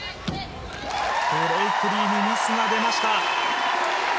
ブレイクリーにミスが出ました。